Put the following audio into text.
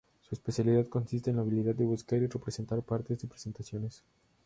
Su especialidad consiste en la habilidad de buscar y representar partes de presentaciones.